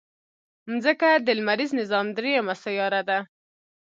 مځکه د لمریز نظام دریمه سیاره ده.